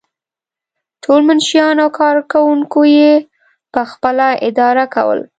ټول منشیان او کارکوونکي یې پخپله اداره کول.